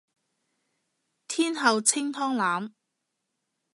天后清湯腩